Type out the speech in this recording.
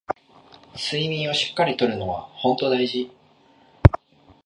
睡眠をしっかり取るのはほんと大事